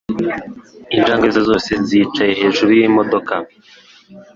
Injangwe ze zose zicaye hejuru yimodoka.